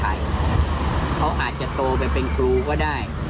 อาทิตย์ไทยเขาอาจจะโตไปเป็นครูก็ได้